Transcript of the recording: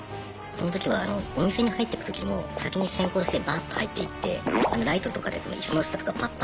その時はあのお店に入ってく時も先に先行してバッと入っていってライトとかで椅子の下とかパッパ